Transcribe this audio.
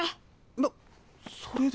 なっそれで。